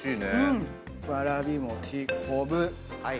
わらびもちこぶ。